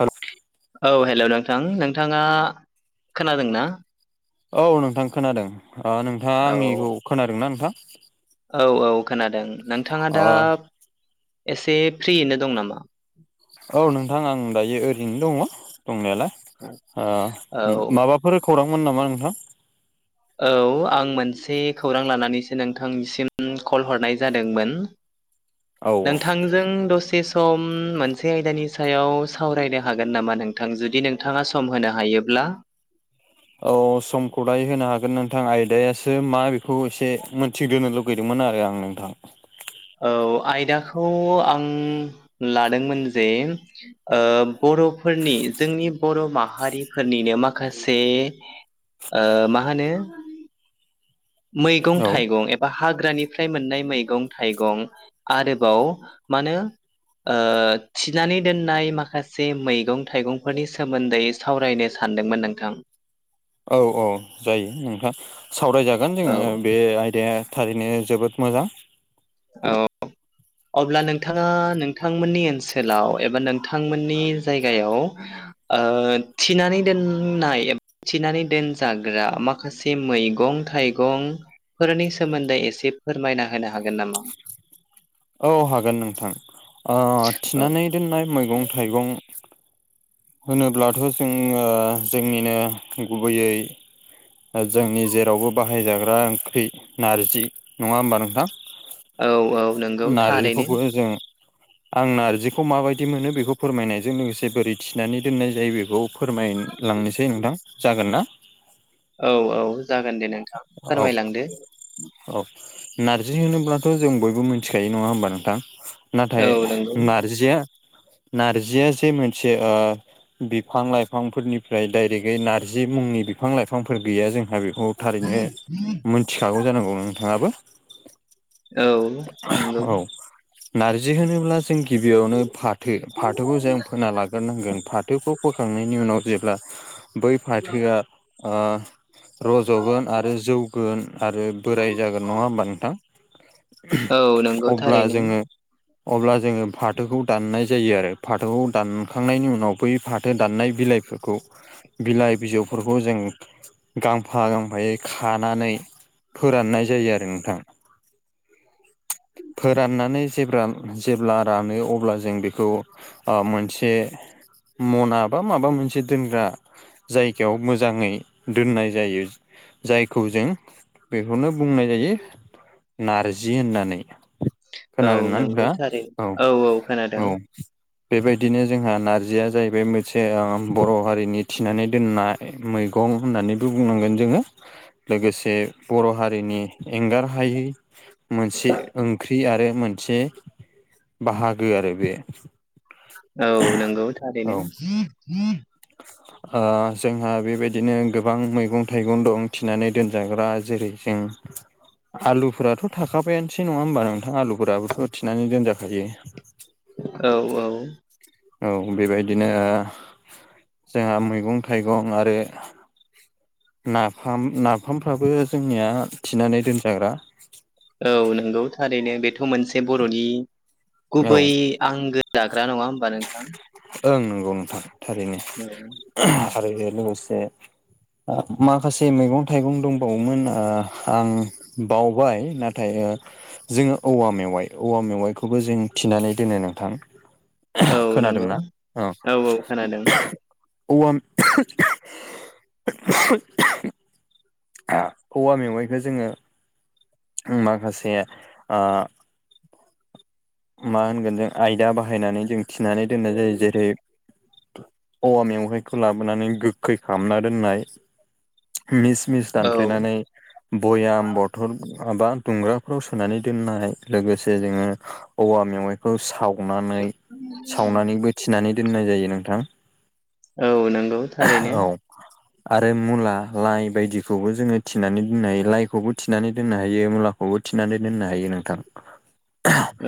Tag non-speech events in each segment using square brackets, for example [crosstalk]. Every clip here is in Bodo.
हेल' औ हेल' नोंथां नोंथाङा खोनादोंना? औ नोंथां खोनादों नोंथाङा औ आंनिखौ खोनादोंना नोंथां? औ औ खोनादों नोंथाङा ओ दा एसे फ्रियैनो दं नामा? औ नोंथां आं दायो ओरैनो दङ' दंनायालाय ओ औ माबा फोर खौरांमोन नामा नोंथां? औ आं मोनसे खौरां लानानैसो नोंथांसिम कल हरनाय जादोंमोन औ औ नोंथांजों दसे सम मोनसे आयदानि सायाव सावरायनो हागोन नामा नोंथां जुदि नोंथाङा सम होनो हायोब्ला औ समखौ दायो होनो हागोन नोंथां आयदायासो मा बेखौ एसे मिथिग्रोनो लुबै- लुगैदोंमोन आरो आं नोंथां। औ आयदाखौ आं लादोंमोन जे बर'फोरनि जोंनि बर' माहारिफोरनिनो माखासे ओ मा होनो मैगं औ थाइगं बा हाग्रानिफ्राय मोननाय मैगं थाइगं आरोबाव मानो ओ थिनानै दोननाय माखासे मैगं थाइगंफोरनि सोमोन्दै सावरायनो सानदोंमोन नोंथां। औ औ जायो नोंथां सावरायजागोन औ जोङो बे आयदाया थारैनो जोबोद मोजां औ अब्ला नोंथाङा नोंथांमोननि ओनसोलाव एबा नोंथांमोननि जायगायाव ओ थिनानै दोननाय थिनानै दोनजाग्रा माखासे मैगं थाइगं फोरनि सोमोन्दै एसे फोरमायना होनो हागोन नामा औ हागोन नोंथां। ओ औ थिनानै दोननाय मैगं -थाइगं होनोब्लाथ' जोङो जोंनिनो गुबैयै जोंनि जेरावबो बाहायजाग्रा ओंख्रि नारजि नङा होमबा नोंथां? औ औ नंगौ थारैनो नारजिखौबो जों आं नारजिखौ माबायदि मोनो बेखौ फोरमायनायजों लोगोसे बोरै थिनानै दोननाय जायो बेखौ फोरमायलांनोसै नोंथां जागोन ना? औ औ जागोन दे नोंथां औ फोरमायलांदो। औ नारजि होनोब्लाथ' जों बयबो मिथिखायो नङा होमबा नोंथां? नाथाय औ नंगौ नारजिया नार्जिया जे मोनसे ओ बिफां लाइफांफोरनिफ्राय डायरेकयै नारजि मुंनि बिफां लाइफांफोर गैया जोंहा बेखौ थारैनो मोनथिखागौ जानांगौ नोंथाङाबो। औ नंगौ औ नारजि होनोब्ला जों गिबियावनो फात फाथो फाथोखौ जों फोना लाग्रोनांगोन फाथोखौ फोखांनायनि उनाव जेब्ला बै फाथोआ रज जगोन आरो जौगोन आरो बोराय जागोन नङा होमबा नोंथां? औ नंगौ अब्ला थारैनो जोङो अब्ला जोङो फाथोखौ दाननाय जायो आरो फाथोखौ दानखांनायनि उनाव बै फाथो दाननाय बिलाइ बिलाइ बिजौफोरखौ जों गां गफा गांफायै खानानै फोराननाय जायो आरो नोंथां। [inaudible] फोराननानै जे जेब्ला रानो अब्ला जों बेखौ मोनसे मना बा माबा मोनसे दोनग्रा जायगायाव मोजाङै दोननाय ज जायखौ जों बेखौनो बुंनाय जायो। नारजि होननानै औ खोनादों ना नंगौ नोंथांङा थारैनो औ औ। खोनादों बेबायदिनो जोंहा नारजिया जाहैबाय मोनसे बर' हारिनि थिनानै दोननाय। मैगं होननानै खौ बुंनांगोन जोङो लोगोसे बर' हारिनि एंगार हायै मोनसे ओंख्रि आरो मोनसे बाहागो आरो बे औ नंगौ औ थारैनो। जोंहा बेबायदिनो गोबां मैगं थाइगं दं थिनानै दोनजाग्रा जेरै जों आलुफोराथ' थाखाबायानोसै नङा होमबा नोंथां आलुफोराफोरखौ थिनानै दोनजाखायो। औ औ। औ बेबायदिनो जोंहा मैगं -थाइगं आरो नाफाम नाफामफ्राबो जोंनिया थिनानै दोनजाग्रा। औ नंगौ थारैनो बेथ' मोनसे बर'नि औ गुबै आंगो जाग्रा नङा होमबा नोंथां? ओं नंगौ नोंथां थारैनो औ आरो लोगोसे माखासे मैगं- थाइगं दंबावोमोन आं बावबाय नाथाय जोङो औवा मेवाइ औवा मेवाइखौबो जों थिनानै दोनो नोंथां? औ नंगौ खोनादोंना औ। औ। औवा मेवाइखौ जोङो माखासे मा होनगोन जों आयदा बाहायनानै जों थिनानै दोननाय जायो जेरै- औवा मेवाइखौ लाबोनानै गोखै खालामना दोननाय मिस मिस औ दानफ्लेनानै भयाम बथल माबा दुंग्राफोराव सोनानै दोननाय लोगोसे जोङो औवा मेवाइखौ सावनानै सावनानैबो थिनानै दोननाय जायो नोंथां। औ नंगौ थारैनो। औ आरो मुला लाइ बायदिखौबो जोङो थिनानै दोननो हायो लाइखौबो थिनानै दोननो हायो मुलाखौ बो थिनानै दोननो हायो नोंथां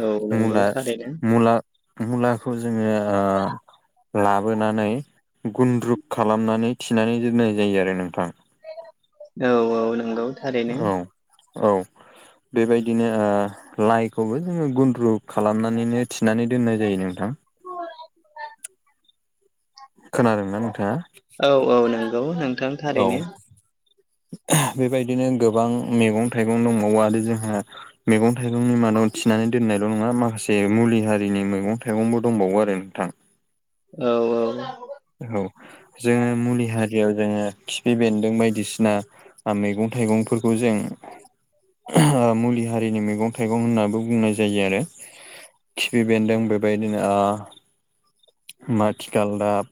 औ नंगौ मुला थारैनो मुला मुलाखौ जोङो ओ लाबोनानै गुनन्द्रुग खालामनानै थिनानै दोननाय जायो आरो नोंथां औ औ नंगौ थारैनो औ औ बेबायदिनो ओ लाइखौबो जोङो गु द्रमुक खालामनानैनो थिनानै दोननाय जायो नोंथां [inaudible] खोनादोंना नोंथाङा औ औ नंगौ नोंथां थारैनो औ बेबायदिनो गोबां मैगं थाइगं दंबावो आरो जोंहा मैगं थाइगंनि मादाव थिनानै दोननाय ल' नङा माखासे मुलि हारिनि मैगं थाइगंबो दंबावो आरो नोंथां औ औ औ जोङो मुलि हारियाव जोङो खिफि बेन्दों बायदिसिना मैगं थाइगंफोरखौ जों मुलि हारिनि मैगं थाइगं होननानैबो बुंनाय जायो आरो खिफि बेन्दों बेबायदिनो ओ माथिगालदाब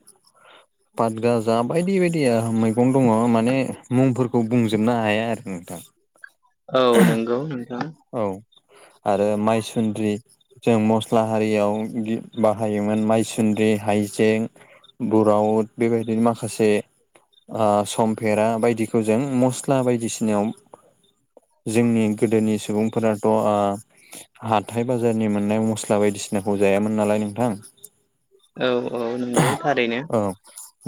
पादगाजा बायदि बायदिया मैगं दङ माने मुंफोरखौ बुंजोबनो हाया आरो नोंथां औ नंगौ नोंथां औ आरो माइसुन्द्रि जों मस्ला हारियाव बाहायोमोन मायसुन्द्रि हाइजें बुरावद बेबायदिनो माखासे ओ समफेरा बायदिखौ जों मस्ला बायदिसिनायाव जोंनि गोदोनि सुबुंफोराथ' ओ हाथाय बाजारनि मोननाय मस्ला बायदिसिनाखौ जायामोन नालाय नोंथां औ औ नंगौ थारैनो औ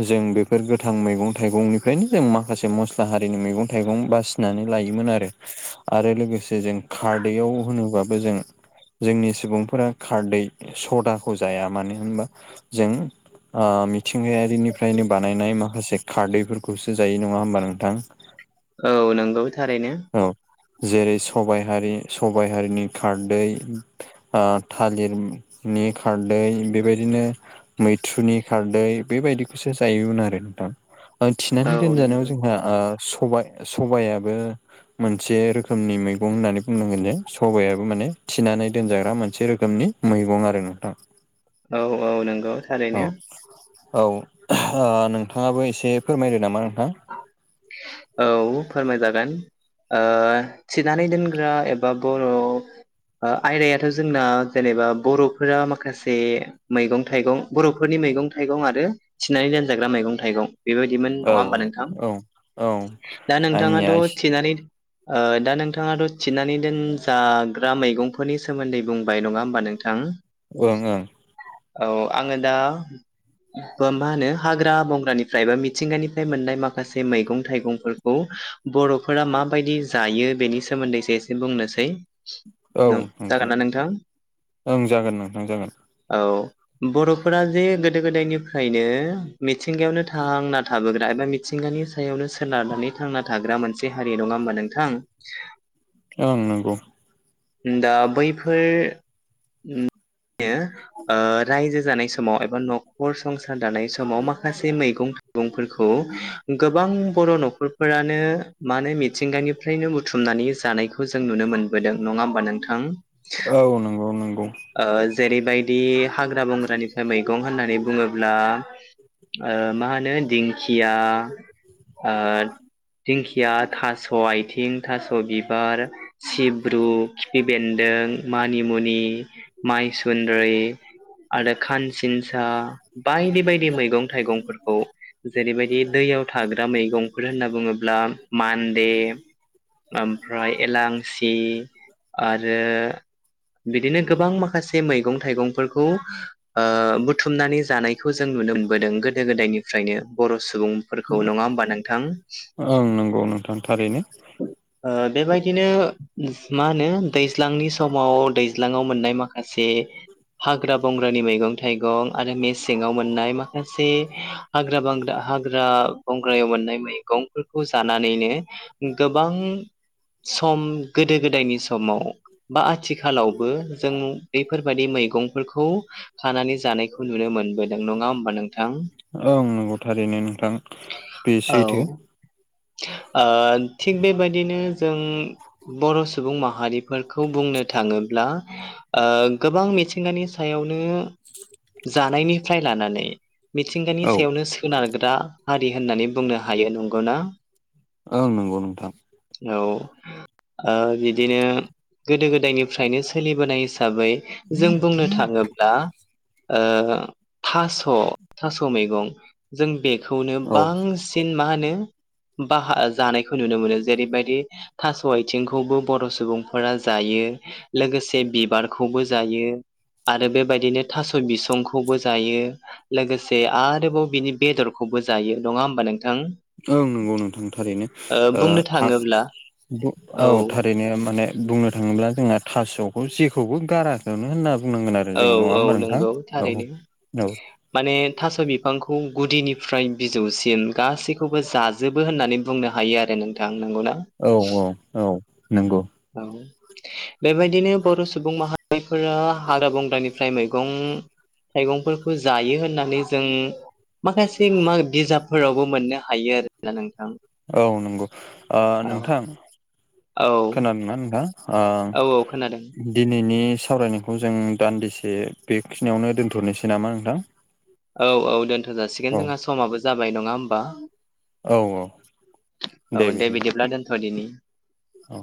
जों बेफोर गोथां मैगं थाइगंनिफ्रायनो जों माखासे मस्ला हारिनि मैगं थाइगं बासिनानै लायोमोन आरो आरो लोगोसे जों खारदैयाव होनोबाबो जों जोंनि सुबुंफोरा खारदै सदाखौ जाया मानो होनबा जों ओ मिथिंगायारिनिफ्रायनो बानायनाय माखासे खारदैफोरखौसो जायो नंङा होमबा नोंथां औ नंगौ थारैनो औ जेरै सबाय हारि सबायाइ हारिनि खारदै ओ थालिरनि खारदै बेबायदिनो मैथ्रुनि खारदै बेबायदिखौसो जायोमोन आरो नोंथां थिनानै औ दोनजानायाव नंगौ जोंहा ओ स सबायाइाबो मोनसे रोखोमनि मैगं मैग होननानै बुंनांगोन जे सबाइाबो माने थिनानै दोनजाग्रा मोनसे रोखोमनि मैगं आरो नोंथां [inaudible] औ नंगौ थारैनो औ औ नोंथांङाबो एसे फोरमायदो नामा नोंथांङा औ फोरमायजागोन थिनानै दोनग्रा एबा बर' आयदायाथ' जोंना जेनेबा बर'फोरा माखासे मैगं थाइगं बर'फोरनि मैगं थाइगं आरो थिनानै दानजाग्रा मैगं थाइगं बेबायदिमोन नङा औ होमबा नोंथां औ औ औ दा नोंथांङाथ' थिनानै ओ दा नोंथांङाथ' थिनानै दोनजाग्रा मैगंफोरनि सोमोन्दै बुंबाय नङा होमबा नोंथां थां ओं ओं औ आङो दा मा होनो हाग्रा बंग्रानिफ्राय बा मिथिंगानिफ्राय मोननाय माखासे मैगं थाइंफोरखौ बर'फोरा माबायदि जायो बेनि सोमोन्दैसो एसे बुंनोसै [inaudible] औ नोंथां जागोन ना ओं जागोन नोंथां जागोन औ बर'फोरा जे गोदो गोदायनिफ्रायनो मिथिंगायावनो थांना थाबोग्रा एबा थिंगानि सायावनो सोनारनानै थांना थाग्रा मोनसे हारि नङा होमबा नोंथां औ नंगौ दा बैफोर [unintelligible] ओ रायजो जानाय समाव एबा न'खर संसार दानाय समाव माखासे मैगं बुंफोरखौ गोबां बर' न'खरफोरानो मानो मिथिंगानिफ्रायनो बुथुमनानै जानायखौ जों नुनो मोन बोदों नङा होमबा नोंथां औ नंगौ नंगौ ओ जेरैबायदि हाग्रा बंग्रानिफ्राय मैगं होननानै बुङोब्ला ओ मा होनो दिंखिया ओ दिंखिया थास' आइथिं थास' बिबार सिब्रु खिफि बेन्दों मानिमुनि माइसुन्द्रि आरो खानसिनसा बायदि बायदि मैगं थाइगंफोरखौ जेरैबायदि दैयाव थाग्रा मैगंफोर होनना बुङोब्ला मान्दे ओमफ्राय एलांसि आरो बिदिनो गोबां माखासे मैगं थाइगंफोरखौ ओ बुथुमनानै जानायखौ जों नुनो मोनबोदों गोदो गोदायनिफ्रायनो बर' सुबुं फोरखौ नङा होमबा नोंथां ओं नंगौ नोंथां थारैनो ओ बेबायदिनो मा होनो दैज्लांनि समाव दैज्लाङाव मोननाय माखासे हाग्रा बंग्रानि मैगं थाइगं आरो मेसेङाव मोननाय माखासे हाग्रा बांग्रा हाग्रा बंग्रायाव मोननाय मैगंफोरखौ जानानैनो गोबां सम गोदो गोदायनि समाव बा आथिखालावबो जों मु बेफोरबायाददि मैगंफोरखौ खानानै जानायखौ नुनो मोनबोदों नङा होमबा नों ओं नंगौ थारैनो नोंथां बे सैथो औ ओ थिग बेबायदिनो जों बर' सुबुं माहारि फोरखौ बुंनो थाङोब्ला ओ गोबां मिथिंगानि सायावनो जानायनिफ्राय लानानै मिथिंगानि औ सायावनो सोनारग्रा हारि होननानै बुंनो हायो नंगौना ओं नंगौ नोंथां औ ओ बिदिनो गोदो गोदायनिफ्रायनो सोलिबोनाय हिसाबै जों बुंनो थाङोब्ला ओ थास' थास' मैगं जों बेखौनो औ बांसिन सिन मा होनो बाहा जानायखौ नुनो मोनो जेरैबायदि थास' आइथिंखौबो बर' सुबुंफोरा जायो लोगोसे बिबारखौबो जायो आरो बेबायदिनो थास' बिसंखौबो जायो लोगोसे आरोबाव बिनि बेदरखौबो जायो नङा होमबा नोंथां ओं नंगौ नोंथां थारैनो ओ बुंनो थाङोब्ला औ थारैनो माने बुंनो थाङोब्ला जोंहा थास'खौ जेखौबो गाराखैनो होनना बुंनांगोन आरो औ जोङो नङा औ होमबा नोंथां नंगौ औ थारैनो औ माने थास' बिफांखौ गुदिनिफ्राय बिजौसिम गासैखौबो जाजोब जोबो होननानै बुंनो हायो आरो नोंथां नोंगौना? औ औ औ नंगौ। औ बेबायदिनो बर' सुबुं माहा जायफोरा हाग्रा बंग्रानिफ्राय मैगं- थाइगंफोरखौ जायो होननानै जों माखासे बिजाबफोरावबो मोननो हायो आरो नोंथां। औ नंगौ औ नोंथां औ खोनादों ना नोंथां? आ। औ औ खोनादों दिनैनि सावरायनायखौ जों दान्दिसे बेखिनियावनो दोन्थ'नोसै नामा नोंथां? औ औ दोनथ' जासिगोन औ जोंहा समाबो जाबाय नङा होमबा? औ औ औ दे बिदिब्ला दोनथ' दिनि औ।